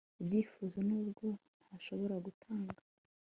Ibyifuzo nubwo ntashobora gutanga